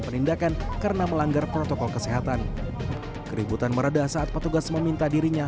penindakan karena melanggar protokol kesehatan keributan meredah saat petugas meminta dirinya